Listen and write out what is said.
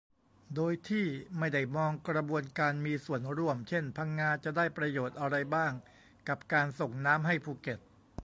โดยที่ไม่ได้มองกระบวนการมีส่วนร่วม เช่น พังงาจะได้ประโยชน์อะไรบ้างกับการส่งน้ำให้ภูเก็ต